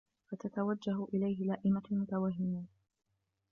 فَتَتَوَجَّهُ إلَيْهِ لَائِمَةُ الْمُتَوَهِّمِينَ